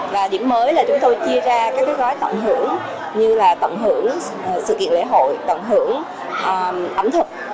và điểm mới là chúng tôi chia ra các gói tận hưởng như là tận hưởng sự kiện lễ hội tận hưởng ẩm thực